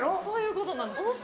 そういうことなんです。